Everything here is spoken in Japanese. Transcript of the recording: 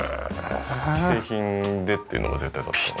既製品でっていうのが絶対だったので。